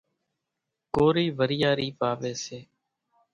ڪورِي وريارِي واويَ سي۔